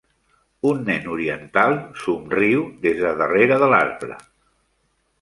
Un nen oriental somriu des de darrere de l'arbre.